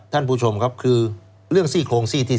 ท่านผู้ชมครับคือเรื่องซี่โครงซี่ที่๓